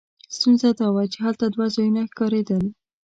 ستونزه دا وه چې هلته دوه ځایونه ښکارېدل.